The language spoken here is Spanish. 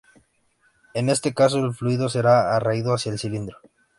En este caso, el fluido será atraído hacia el cilindro.